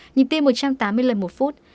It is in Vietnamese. nhịp tim một trăm tám mươi lần một phút